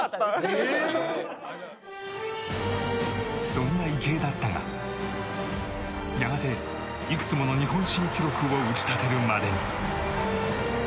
そんな池江だったがやがて、いくつもの日本新記録を打ち立てるまでに。